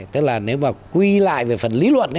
tức là nếu mà quy lại về phần lý luận